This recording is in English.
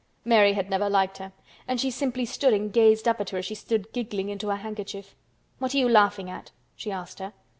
Mary had never liked her, and she simply stood and gazed up at her as she stood giggling into her handkerchief.. "What are you laughing at?" she asked her.